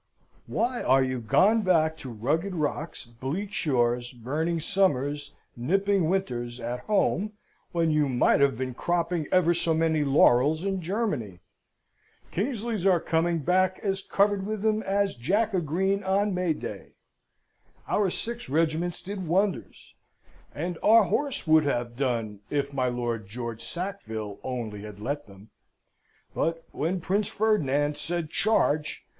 "Why are you gone back to rugged rocks, bleak shores, burning summers, nipping winters, at home, when you might have been cropping ever so many laurels in Germany? Kingsley's are coming back as covered with 'em as Jack a Green on May day. Our six regiments did wonders; and our horse would have done if my Lord George Sackville only had let them. But when Prince Ferdinand said 'Charge!'